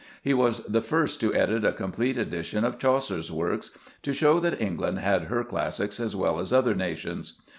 He was the first to edit a complete edition of Chaucer's works, "to show that England had her classics as well as other nations."